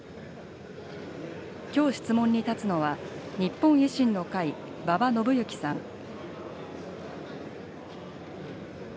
きょう質問に立つのは、日本維新の会、馬場伸幸さん。